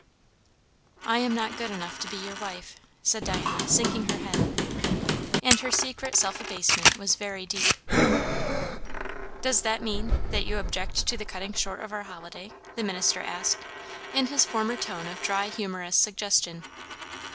"I am not good enough to be your wife!" said Diana, sinking her head. And her secret self abasement was very deep. "Does that mean, that you object to the cutting short of our holiday?" the minister asked, in his former tone of dry humourous suggestion.